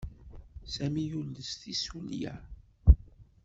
Sami yules tissulya.